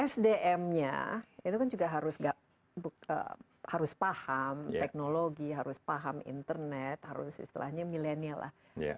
sdm nya itu kan juga harus paham teknologi harus paham internet harus istilahnya milenial lah